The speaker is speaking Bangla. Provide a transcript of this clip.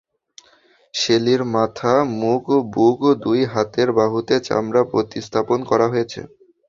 শেলীর মাথা, মুখ, বুক, দুই হাতের বাহুতে চামড়া প্রতিস্থাপন করা হয়েছে।